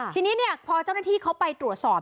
ทีนี้พอเจ้าหน้าที่เขาไปตรวจสอบ